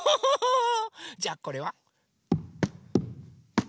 じゃあこれは。